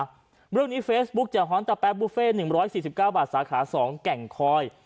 เรื่องนี้เฟซบุ๊กจะฮอนตะแป๊บุฟเฟ่๑๔๙บาทสาขา๒แก่งคอย